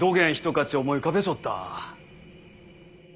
かち思い浮かべちょった。